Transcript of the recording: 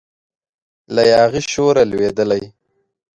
له یاغي شوره لویدلی